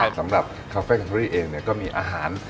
สำหรับคาเฟ่คัรี่เองก็มีอาหาร